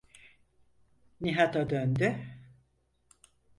Nihat’a döndü: